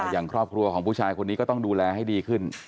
อย่างครอบครัวของผู้ชายคนนี้ก็ต้องดูแลให้ดีขึ้น